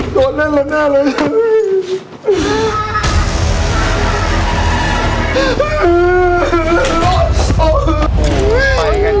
โน่นเรื่องนั้นละเวลา